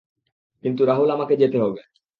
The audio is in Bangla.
কিন্তু রাহুল আমাকে যেতে হবে।